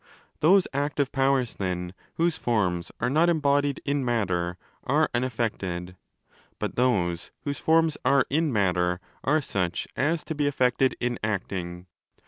Those active powers, then, whose forms are not embodied in matter, are unaffected: but those whose forms are in matter are such as to be affected in acting.